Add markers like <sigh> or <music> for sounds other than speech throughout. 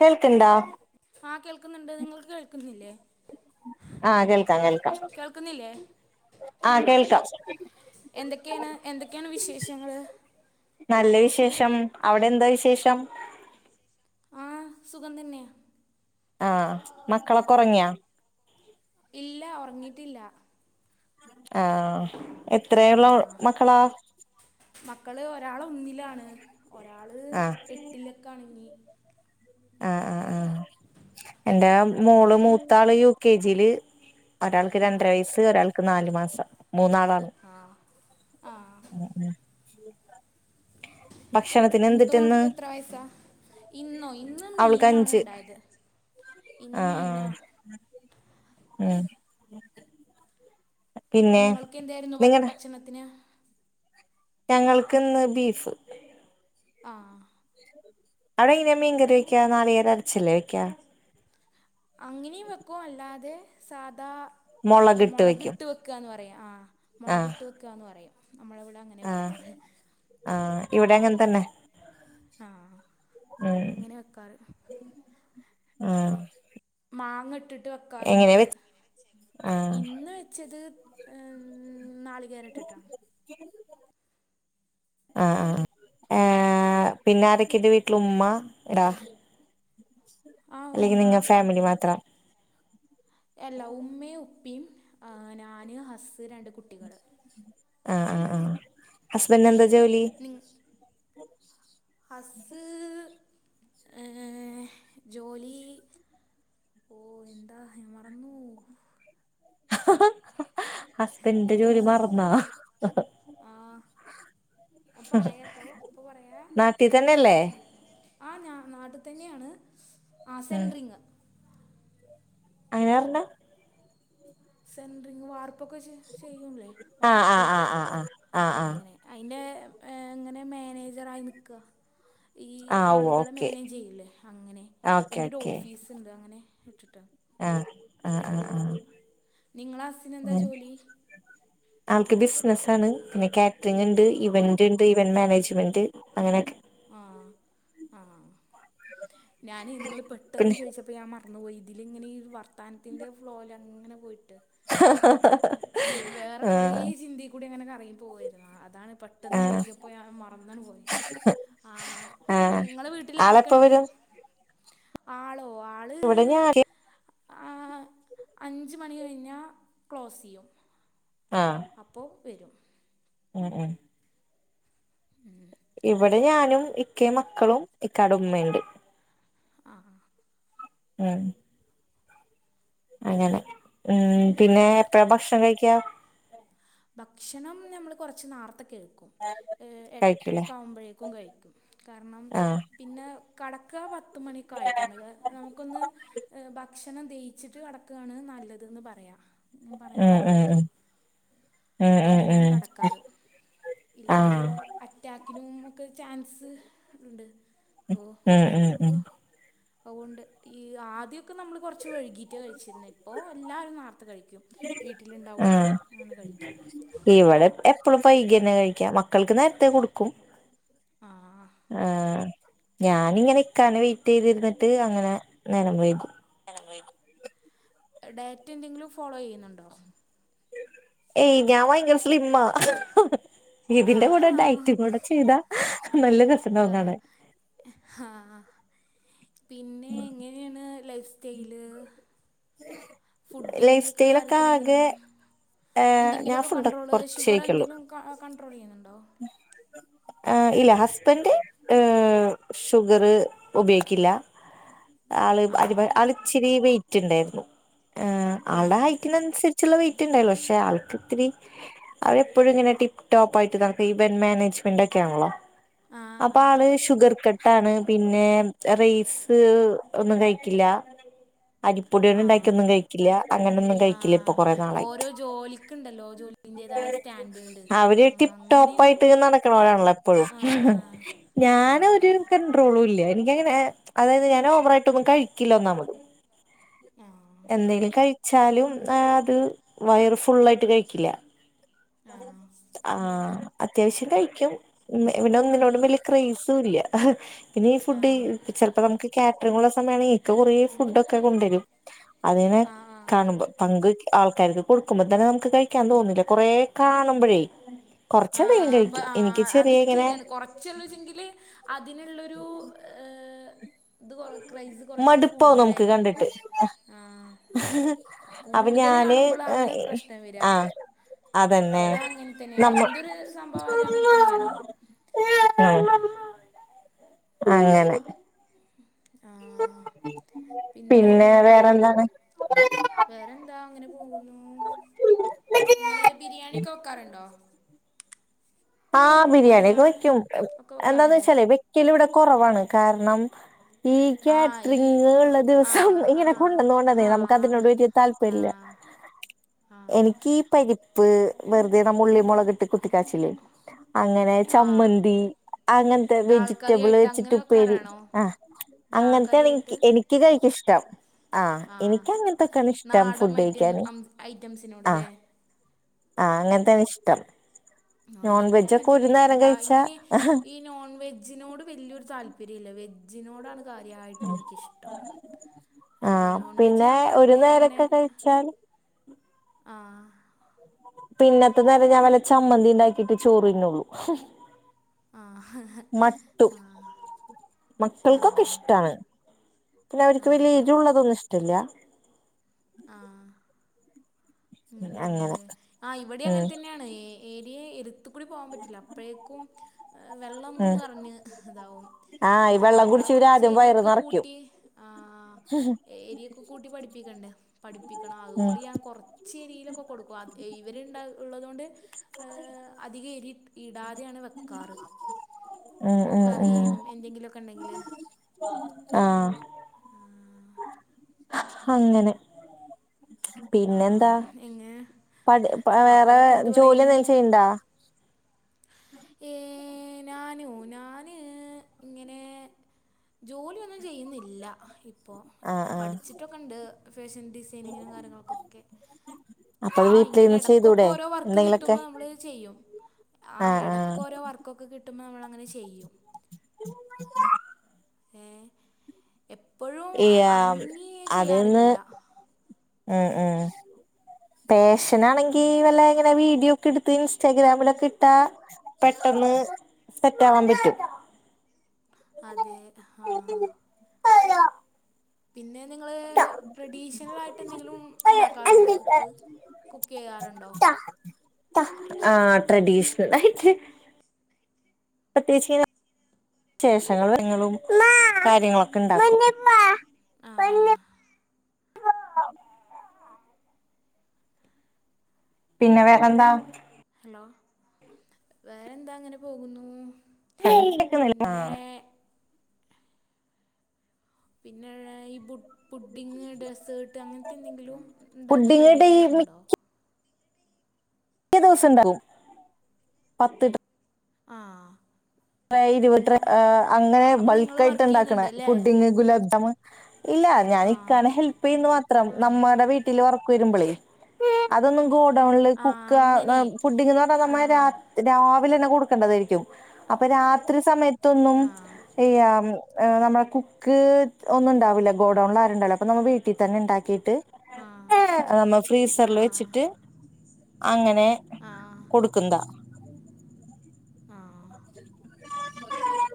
കേൾക്കണ്ടാ ആഹ് കേൾക്കുന്നുണ്ട് നിങ്ങൾക്ക് കേൾക്കുന്നില്ലേ ആഹ് കേൾക്കാം കേൾക്കാം ആഹ് എന്തൊക്കെയാണ് എന്തൊക്കെയാണ് വിശേഷങ്ങള് നല്ല വിശേഷം അവിടെ എന്താ വിശേഷം ആഹ് സുഖം തന്നെയ ആഹ് മക്കളൊക്കെ ഉറങ്ങിയാ ഇല്ല ഉറങ്ങിയിട്ടില്ല ആഹ് ആ എത്രയുള്ള മക്കളാ മക്കള് ഒരാള് ഒന്നിലാണ് ഒരാള് ആഹ് എട്ടിലൊക്ക ആണ് ഇനി ആഹ് ആഹ് ആഹ് എന്റെ ആ മോള് മൂത്താള് യു കെ ജി ല് ഒരാൾക്ക് ആ രണ്ടര വയസ്സ് ഒരാൾക്ക് നാല് മാസം മൂന്നാളാണ് ആഹ് ആഹ് ഉം ഉം ഭക്ഷണത്തിന് മൂത്ത എന്തിട്ട്ന്ന് മോൾക്ക് എത്ര വയസാ ഇന്നോ ഇന്ന് അവൾക്ക് മീനാണ് അഞ്ച് ഇണ്ടായത് ആഹ് ആഹ് ഉം പിന്നെ നിങ്ങൾക്ക് എന്തായിരുന്നു നിങ്ങടെ ഭക്ഷണത്തിന് ഞങ്ങൾകിന്ന് ബീഫ് ആഹ് അവിടെ ഇങ്ങനെ മീൻകറി വയ്ക്ക നാളികര അരച്ചല്ലേ വെക്കാ അങ്ങനെയും വെക്കും അല്ലാതെ സാദാ അ മുളകിട്ട് വെക്കാന്ന് പറയാ ആ മുളകിട്ട് വെക്കാന്ന് പറയാം നമ്മളെവിടെ അങ്ങ ആഹ ആഹ ഇവിടെ അങ്ങനെ തന്നെ ആഹ ഉം അങ്ങനെ വെക്കാറ് ആഹ് മാങ്ങ ഇട്ടിട്ട് എങ്ങനെ വെക്കാറുണ്ട് വെ ആഹ് ഇന്ന് വെച്ചത് നാളികേര ഇട്ടിട്ടാണ് ആഹ ആ എ പിന്നെ ആരൊക്കെന്റെ വീട്ടില് ഉമ്മ റാഫി ആ അല്ലെങ്കി ഉമ്മ നിങ്ങ ഫാമിലി മാത്രം അല്ലാ ഉമ്മയും ഉപ്പിയും ഞാന് ഹസ് രണ്ട് കു ആഹ ആഹ ആഹ് ഹസ്ബൻഡ് എന്താ ജോലി ഉം ഹസ് എഹ് ജോലി ഓ എന്താ ഞാൻ മറന്നു ഹസ്ബൻഡ്ന്റെ ജോലി മറന്നാ ആഹ് അ പറയാട്ടോ നാട്ടീ തന്നെല്ലേ ആഹ് ഞാ നാട്ടിൽ തന്നെയാണ് ഉം ആസെൻറിങ്ങ് അങ്ങനെ പറഞ്ഞ സെന്ററിങ് വാർപ്പൊക്കെ ചെയ്യുംല്ലേ ആഹ് വാർപ്പ് ആഹ് ആഹ് ആഹ് ആ ആഹ് ആഹ് ആഹ് അങ്ങനെ അതിന്റെ എ ഇങ്ങനെ മാനേജറ ആയി നിൽക്കുക ഈ ആഹ് ഓ ആളുകളെ ഓക്കെ മാനേജ് ചെയ്യൂല്ലേ അങ്ങനെ ഓക്കെ അതിന്റെ ഒരു ഓക്കെ ഓഫീസ് ഉണ്ട് അങ്ങനെ ഇട്ടിട്ടാ ആഹ് ആഹ ആഹ ആഹ നിങ്ങളെ ഹസിന് എന്താ ജോലി ആൾക്ക് ബിസിനസ്സ് ആണ് പിന്നെ കാറ്ററിങ് ഉണ്ട് ആ ഈവൻ ണ്ട് ഇവന്റ് മാനേജ്മെന്റ് അങ്ങനെയൊക്കെ ആഹ് ആഹ് ഞാനെ നിങ്ങൾ പെട്ടെന്ന് പിന്നെ ചോദിച്ച ഇപ്പൊ ഞാൻ മറന്നുപോയി ഇതിലിങ്ങനെ ഈ വർത്തനത്തിൻ്റെ ഫ്ലോയിൽ അങ്ങനെ പോയിട്ട് ഹാ ഹാ ഹാ ഹാ വേറെ കൊറെയേ ചിന്തയിൽ കൂടി അങ്ങനെ കറയി പോവായിരുന്നു അതാണ് പെ -ട്ടെന്ന് ആഹ് ചോദിച്ചപ്പോ ഞാൻ മറന്നാണ് പോയി ആഹ് ആഹ് ഇങ്ങളെ വീട്ടിൽ ആളെപ്പ ആരൊക്കെണ്ട് വരും ആളോ ആള് ഇവിടെ ഞാൻ ആഹ് അഞ്ച് മണി കഴിഞ്ഞാൽ ക്ലോസ് ചെയ്യും ആഹ് അപ്പോ വരും ഉം ഉം ഉം ഇവിടെ ഞാനും ഇക്കേയും മക്കളും ഇക്കാട ഉമ്മയുണ്ട് ആഹ് ആഹ് ഉം അങ്ങനെ ഉം പിന്നെ എപ്പഴാ ഭക്ഷണം കഴിക്ക ഭക്ഷണം നമ്മൾ കുറച്ച് നാർത്തൊക്കെ കഴിക്കും ഏ കഴിക്കൂലേ ഏട്ടരയൊക്കെ ആവുമ്പോഴേക്കും കഴിക്കും കാരണം ആഹ് പിന്നെ കടക്കുക പത്തുമണിയൊക്കെ ആയിട്ടാണ് കാ നമുക്കൊന്ന് ഭക്ഷണം ദഹിച്ചിട്ട് കിടക്കുകയാണ് നല്ലതെന്ന് പറയാം ഞാൻ ഉം പറയുന്നത് ഉം കേൾക്കാം ഉം അപ്പൊ ഉം ഉം അങ്ങനെയാണ് ഉം കടക്കാറ് ഇല്ലെങ്കില് ആഹ് അറ്റാക്കിനും മുമ്ക്ക് ചാൻസ് ഉണ്ട് ഉം അപ്പോൾ ഉം ഉം അതുകൊണ്ട് ഈ ആദ്യമൊക്കെ നമ്മൾ കുറച്ച് വൈകിയിട്ടാണ് കഴിച്ചിരുന്നത് ഇപ്പോൾ എല്ലാവരും നേർത്ത് കഴിക്കും വീട്ടിലുണ്ടാവുകൊണ്ട് ആഹ് അങ്ങനെ കഴിക്കും ഇവിടെ എപ്പഴും വൈകിയെന്നെ കഴിക്ക മക്കൾക്ക് നേരത്തെ കൊടുക്കും ആ ആഹ് ഞാനിങ്ങനെ ഇക്കാനെ വെയിറ്റ് ചെയ്തിരുന്നിട്ട് അങ്ങനെ നേരം വൈകും നേരം വൈകും ഡൈയിട്ട് എന്തെങ്കിലും ഫോളോ ചെയ്യുന്നുണ്ടോ ഏയ് ഞാൻ ഭയങ്കര സ്ലിം ആഹ് ഇതിന്റെ ആഹ് കൂടെ ഡൈറ്റും കൂടെ ചെയ്താ നല്ല രസം ആഹ് ഹാഹ് പിന്നെങ്ങനെ -യാണ് ലൈഫ് സ്റ്റൈല് ലൈഫ് ഫുഡിന്റെയൊക്കെ സ്റ്റൈലൊക്കെ കാര്യത്തിൽ ആകെ എങ്ങനെയാണ് ഏഹ് ഞാൻ എന്തെങ്കിലുമൊക്കെ ഫുഡൊക്കെ കണ്ട്രോള് കൊറച്ച് ഷുഗർ എന്തെങ്കിലും ക കണ്ട്രോൾ ചെയ്യുന്നുണ്ടോ ആഹ് ഇല്ല ഹസ്ബൻണ്ട് ഏഹ് ഷുഗർ ഉപയോഗിക്കില്ല ആള് അരിബ ആഹ് ആള് ഇച്ചിരി വെയിറ്റ് ഉണ്ടായിരുന്നു ആളുടെ ആഹ് ഹൈറ്റിനനുസരി ചുള്ള വെയിറ്റ് ഉണ്ടല്ലൊ പക്ഷെ ആൾക്ക്‌ ഇത്തിരി അവരെപ്പോഴും ഇങ്ങനെ ടിപ് ടോപ്പ് ആയിട്ട് നട ഇപ്പൊ ഇവന്റ് മാനേജ്മെന്റ് ഒക്കെ ആണല്ലോ ആഹ് അപ്പൊ ആഹ് ആള് ഷുഗർ കട്ട് ട്ടാണ് പിന്നെ റൈസ് ഒന്നും കഴിക്കില്ല അരിപ്പൊടികൊണ്ടുണ്ടാക്കിയ ആഹ് ഒന്നും കഴിക്കില്ല അങ്ങനെയൊന്നും കഴി ക്കില്ല ഇപ്പൊ ആഹ് കുറ നാളായിട്ട് ഓരോ ജോലിക്കുണ്ടല്ലോ ജോലിൻ്റേതായ സ്റ്റാൻഡേർഡ് അവര് അങ്ങ ടിപ്പ് അങ്ങനെയും ടോപ്പയിട്ട് നട ക്കരാണല്ല എപ്പോഴും ആഹ് ആഹ് ഞാന് ഒരു ആഹ് കണ്ട്രോളുംല്ല എനിക്കങ്ങനെ അതായത് ഞാൻ ഓവറായി ട്ടൊന്നും കഴിക്കില്ലാന്നാമത് ആഹ് എന്തെങ്കിലും കഴിച്ചാലും അത് വയർ ഫുള്ളായിട്ട് കഴിക്കില്ല ആഹ് ആഹ് അത്യാവശ്യം കഴിക്കും പിന്നെ ഒന്നിനോടും വല്യ ക്രൈസുംല്ല പിന്നെ ഈ ഫുഡ് ആഹ് ഏൽപ്പിചെലപ്പം നമുക്ക് കാറ്ററിംഗ് ഉള്ള സമയണ ഇക്ക കുറേ ഫുഡ് ഒക്കെ കൊണ്ടരും അതിനെ ആഹ് ആഹ് കാണുമ്പോ പങ്ക് ആൾക്കാർക്ക് കൊടുക്കുമ്പ തന്നെ നമുക്ക് കഴിക്കാൻ തോന്നുന്നില്ല കുറേ കാണുമ്പോഴേ <inaudible> ആ അപ്പൊ കഴിക്കും ആ എനിക്ക് അത് ചെറിയ ഇങ്ങനെ ശരിയാണ് കൊറ ച്ചുള്ളൂചെങ്കില് അതിനുള്ളൊരു ഏഹ് ഇത് ക്രൈസ് കുറച്ച് മടുപ്പാവും നമുക്ക് കൂടുതലായിരിക്കും കണ്ടിട്ട് കുറച്ച് ആഹ് അപ്പൊ കൂടുതൽ ഞാന് കാണുമ്പോളാണ് പ്രശ്നം വരാ ആഹ് അതന്നെ ഇവിടെ അങ്ങനെ തന്നെയാണ് നമ്മ എന്തൊരു സംഭവമായാലും അങ്ങനെ തന്നെയാണ് ഉ അങ്ങനെ ആഹ് പിന്നെ വേറെന്താണ് വേറെന്താ അങ്ങനെ പോകുന്നു ഇങ്ങള് ബിരിയാണിക്കെ വെക്കാറുണ്ടോ ആഹ് ബിരിയാണിയൊക്കെ ബിരിയാണി വെക്കും ഒക്കെ എന്താന്ന് വെക്കാറുണ്ടോ വെച്ചാലേ വെക്കല് ഇവിടെ കുറവാണ് കാരണം ഈ ആ ഈ കാറ്ററിങ് ഉള്ള ആ ദിവസം ആ ഇങ്ങനെ കൊണ്ടന്നോണ്ടതേ ആ നമുക്ക് അതിനോട് വലിയ താല്പര്യം ആ ഇല്ല ആ എനിക്ക്ഈ പരിപ്പ് വെറുതെ നാം ഉള്ളി മൊളക് ഇട്ട് കുത്തിക്കാച്ചില്ലേ അങ്ങനെ ആ ചമ്മന്തി അങ്ങൻത്തെ ഡാൾ വെജിറ്റബിൾ കറിയായിട്ട് വെച്ചിട്ട് അങ്ങനെ ഉപ്പേരി വെക്കാറാണോ ആഹ് ഡാൾ അങ്ങനത്തേ ആണ് കറിയായിട്ട് എനിക്ക് എനി ക്കി കൈക്ക് ഇഷ്ടം ആഹ് ആ എനിക്ക് അങ്ങനത്തൊക്കാണ് ഇഷ്ടം നാടൻ ഫുഡ് കഴിക്കാന് ഐറ്റം ആഹ് ഐറ്റംസിനോടല്ലേ ആഹ് അങ്ങനത്തന്ന ഇഷ്ടം ആഹ് നോൺ ഇനിക്കും വെജ് അങ്ങനെ ഒക്കെ തന്നെയ ഒരു ഇഷ്ടം നേരം കാ കഴിച്ചാ ഇങ്ങനെ നോൺ വെജിനോട് വലിയൊരു താല്പര്യംല്ല വെജിനോടാണ് കാര്യായിട്ട് എനിക്കിഷ്ടം ഏ ആഹ് നോൺവെജ് പിന്നെ ഞാൻ ഒരു പണ്ടേ അങ്ങനെ നേരൊക്കെ കഴിച്ചാൽ ആഹ് പിന്നത്തെ നേരം ഞാൻ വല്ല ചമ്മന്തി ഇണ്ടാക്കിട്ടെ ചോറ് തിന്നൊള്ളു ആ മട്ടു ആ മക്കൾക്കൊക്കെ ഇഷ്ടാണ് പിന്നെ അവർക്ക് ആ വല്യ ആ എരുള്ളതൊന്നും ഇഷ്ടല്ല ആഹ് അങ്ങനെ അങ്ങനെയാണല്ലേ ആഹ് ഇവിടെ ഉം അങ്ങനെ തന്നെയാണ്ഏ ഏരിയ ഒത്ത കൂടി പോവാൻ പറ്റുല്ല അപ്പോഴേക്കും ഉം വെള്ളംന്ന് പറഞ്ഞ് ഇതാവും ആഹ് ഈ മ വെള്ളം മക്കളെ കുടിച്ച് ഇവര് കൊറച്ച് ആദ്യം വയറ് എരിയൊക്കെ നിറയ്ക്കും കൂട്ടി ആഹ് എരിയ കൂട്ടി പഠിപ്പിക്കണ്ടേ പഠിപ്പിക്കണം ഉം അതുകൊണ്ട് ഞാൻ കൊറ ചരിയിലൊക്കെ കൊടുക്കും അത് ഇവരുണ്ട ഉള്ളത് കൊണ്ട് അധിക എരി ഇടാതെയാണ് വെക്കാറ് ഉം ഉം ഉം കറിം എന്തെങ്കിലൊക്കെ ഇണ്ടെങ്കില് ആഹ് അങ്ങനെ പിന്നെന്താ ആഹ് എങ്ങനെ പടി വേറെ മക്കളൊക്കെ എന്ത് ജോലി പറയുന്നു എന്തേലും ചെയ്യ്ണ്ടാ ഏ ഞാനോ ഞാന് ഇങ്ങനെ ജോലിയൊന്നും ചെയ്യുന്നില്ല ഇപ്പൊ ആഹ് ആഹ് പഠിച്ചിട്ടൊക്ക ഉണ്ട് ഫാഷൻഡി സൈനിങ്ങിനും കാര്യങ്ങൾക്കൊക്കെ അപ്പൊ ആഹ് ഇങ്ങനെ വീട്ടിലിരുന്ന് എടക്കൊക്കെ ചെയ്തൂടെ ഓരോ വർക്ക് കിട്ടുമ്പോ എന്തെങ്കിലൊക്കെ നമ്മള് ചെയ്യും ആഹ് ആഹ്എടക്ക് ആഹ് ഓരോ വർക്കൊക്കെ കിട്ടുമ്പോൾ നമ്മൾ അങ്ങനെ ചെയ്യും <unintelligible> ഏഹ് എപ്പോഴും ഇയാ അറങ്ങി ചെയ്യാറില്ല ആഹ് ആഹ് പേഷൻാണെങ്കി വല്ല എങ്ങനെ വീഡിയോ ഒക്കെ എടുത്ത് ഇൻസ്റ്റാഗ്രാമിലൊക്കെ ഇട്ടാ പെട്ടെന്ന് സെറ്റാവാൻ പറ്റും അതെ ആഹ് പിന്നെ നിങ്ങള് ട്രഡീഷണൽ ആയിട്ട് എന്തെങ്കിലും ഉണ്ടാക്കാറുണ്ടോ കുക്ക് കുക്ക് യ്യാറുണ്ടോ ആഹ് ട്രഡീഷണൽ ആയിട്ട് പ്രത്യേകിച്ച് ശേഷങ്ങങ്ങളും കാര്യങ്ങളൊക്കെണ്ടാക്കും ആഹ് പിന്നെ വേറെന്താ ഹലോ വേറെ എന്താ അങ്ങനെ പോകുന്നു പിന്നെ <unintelligible> പിന്നെ ഈ ബു ഫുഡിങ്ങ് ഡെസേർട്ട് അങ്ങനത്തെ എന്തെങ്കിലും ഇണ്ടാക്കി പുഡിങ്ങ് ഡെയ് പരീക്ഷിച്ചിട്ടുണ്ടോ മിക്കിയ ദിവസംണ്ടും പത്ത് ആഹ് ഇരുപത്തി അങ്ങനെ അപ്പം നിങ്ങൾ ബൾക്ക് ആയിട്ട് വർക്ക് ഇണ്ടാക്കണ ചെയ്യുന്നുണ്ട് അല്ലേ ഫുഡിങ്ങ് ഗുലാം ജാം ഇല്ല ഞാൻ ആ ഇക്കാനെ ഹെൽപ് ചെയ്യന്ന് മാത്രം ആ നമ്മടെ വീട്ടിൽ വർക്ക് വരുമ്പോളേ അതൊന്നും ഗോഡൗണില് ആ കുക്ക് അങ്ങനെ ഫുഡ്ഡിംഗ് പറഞ്ഞാ ആ നമ്മ രാത്ര രാവിലെ തന്നെ കൊടുക്കണ്ടതായിരിക്കും അപ്പൊ രാത്രി സമയത്തൊന്നും ആ ഇയ്യ നമ്മളെ കുക്ക് ഒന്നും ഉണ്ടാവില്ല ഗോഡൗണില ണ്ടാവൂലാ വീട്ടിൽ തന്നെ ഉണ്ടാക്കിട്ട് ആ നമ്മൾ ഫ്രീസറിൽ ആ വച്ചിട്ട് അങ്ങനെ ആ കൊടുക്കുന്നതാ ആ <unintelligible>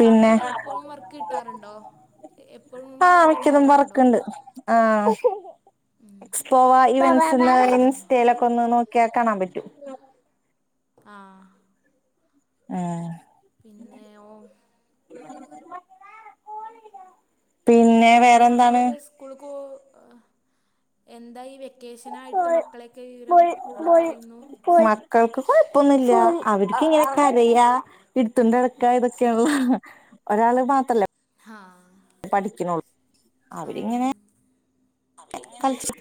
പിന്നെ എപ്പോഴും വർക്ക് കിട്ടാറുണ്ടോ എപ്പോഴും ആഹ് വർക്ക് മിക്കതും ഉണ്ടാവാറുണ്ടോ വർക്കുണ്ട് ആഹ് ഉം. എക്സ്പോവ <unintelligible> ആ ഇൻസ്റ്റേയിലൊക്കെ ഒന്ന് നോക്കിയാൽ കാണാൻ പറ്റും ആഹ് ആ പിന്നെ ഓഹ് പിന്നെ വേറെന്താണ് കുളു കൂ എന്തായി വ്യ വെക്കേഷനായിട്ട് മക്കളെയൊക്കെ വിവരം എന്ത് പറയുന്നു മക്കൾക്ക് കൊഴപ്പൊന്നുമില്ല അവർക്കിങ്ങനെ കരയാ <unintelligible> ഇതൊക്കെയള്ളൂ ഒരാള് മാത്രല്ലേ ആഹ് പഠിക്കണള്ളു അവരിങ്ങനെ അവരിങ്ങനെ കളിച്ച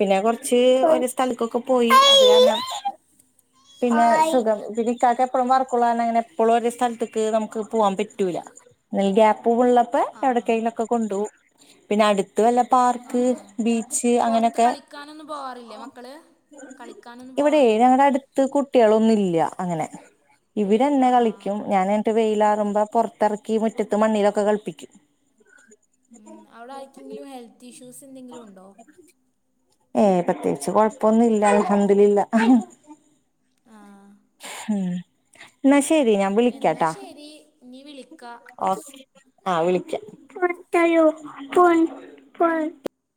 പിന്നെ കൊറച്ച് ഒരു സ്ഥലക്കൊക്കെ പോയി ആഹ് പിന്നെ ആഹ് സുഖം ഇതിന് ഇക്കാക്ക എപ്പളും വർക്കള്ള കാരണം അങ്ങനെപ്പോഴും ഒരു സ്ഥലത്തേക്ക് നമുക്ക് പോകവാൻ പറ്റൂല്ല വല്ല ഗേപ്പുള്ള പ്പ എവിടെ ആഹ് കെങ്കിലൊക്കെ കൊണ്ടു പോകും പിന്നെ അടുത്ത് വല്ല പാർക്ക് ആഹ് ബീച്ച് പൊറത്ത് അങ്ങനെയൊക്കെ കളിക്കാനൊന്നും പോവാറില്ലേ മക്കള് കളിക്കാനൊന്നും ഇവിടെ പോവാറില്ലേ ഞങ്ങളുടെ അടുത്ത് അടുത്ത് കുട്ടികളൊന്നും ഇല്ല അങ്ങനെ ഇവരു എന്നെ കളിക്കും ആഹ് ഞാന് ഇട്ട് വെയിലാറുമ്പോ പുറത്തിറക്കി മുറ്റത്ത് മണിലൊക്കെ കളിപ്പിക്കും ഉം അവിടെ ആക്കെങ്കിലും ഹെൽത്ത് ഇഷ്യൂസ് എന്തെങ്കിലും ഉണ്ടോ ഏ പ്രത്യേകിച്ച് കൊഴപ്പൊന്നും ഇല്ല അല്ഹംധു ലില്ലാഹ് ആ ഉം എന്ന ശരി ഞാ എന്നാ ശരി നീ വിളിക്ക ഓക്കെ ആഹ് വിളിക്കാം വിളിക്കാല്ലോ ഇപ്പൊ ഇപ്പൊ